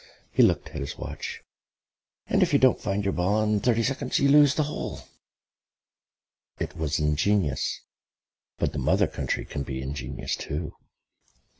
He looked at his watch. "And if you don't find your ball in thirty seconds, you lose the hole." It was ingenious, but the Mother Country can be ingenious too.